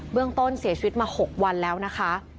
เรื่องต้นเสียชีวิตมา๖วันแล้วนะคะ